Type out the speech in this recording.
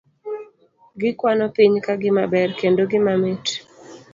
Gikwano piny ka gimaber, kendo gima mit.